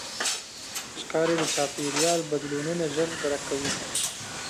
ښکاري د چاپېریال بدلونونه ژر درک کوي.